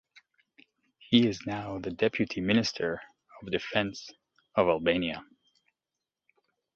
He is now the deputy Minister of Defence of Albania.